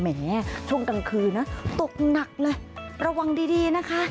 แหมช่วงกลางคืนนะตกหนักเลยระวังดีนะคะ